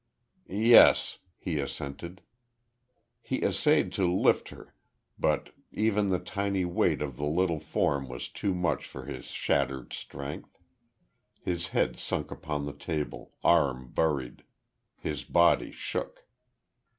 "Yes," he assented. He essayed to lift her; but even the tiny weight of the little form was too much for his shattered strength. His head sunk upon the table, arm buried. His body shook.